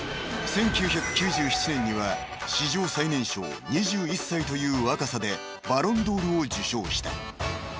［１９９７年には史上最年少２１歳という若さでバロンドールを受賞した］